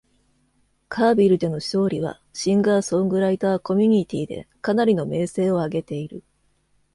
カービルでの勝利は、シンガー・ソングライター・コミュニティーでかなりの名声をあげている。